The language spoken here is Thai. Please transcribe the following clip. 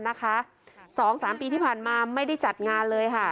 สองสามปีที่ผ่านมาไม่ได้จัดงานเลยค่ะ